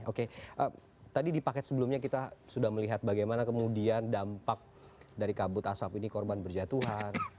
oke tadi di paket sebelumnya kita sudah melihat bagaimana kemudian dampak dari kabut asap ini korban berjatuhan